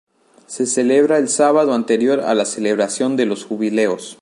Se celebra el sábado anterior a la celebración de los Jubileos.